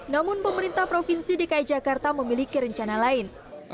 namun pemerintah provinsi dki jakarta memiliki rencana lain